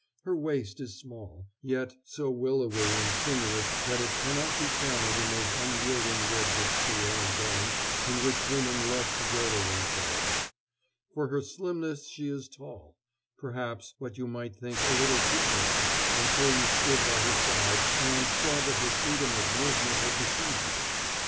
Her waist is small, yet so willowy and sinuous that it cannot be trammeled in those unyielding ribs of steel and bone in which women love to girdle themselves. For her slimness she is tall, perhaps, what you might think a little too tall until you stood by her side and saw that her freedom of movement had deceived you.